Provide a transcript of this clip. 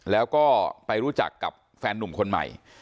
แล้วก็ไปรู้จักกับแฟนหนุ่มคนใหม่